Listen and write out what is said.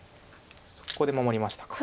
そこで守りましたか。